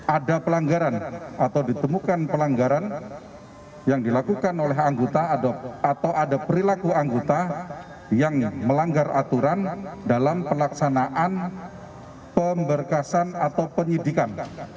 ada pelanggaran atau ditemukan pelanggaran yang dilakukan oleh anggota atau ada perilaku anggota yang melanggar aturan dalam pelaksanaan pemberkasan atau penyidikan